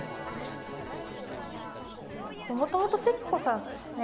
もともと節子さんがですね